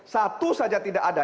satu saja tidak ada